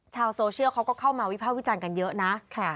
ชาวโซเชียลเขาก็เข้ามาวิภาควิจารณ์กันเยอะนะ